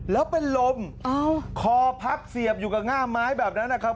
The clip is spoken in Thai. แล้วเป็นลมคอพับเสียบอยู่กับง่ามไม้แบบนั้นนะครับ